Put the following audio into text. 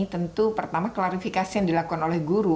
tentu pertama klarifikasi yang dilakukan oleh guru